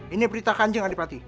ini berita kanjeng adipati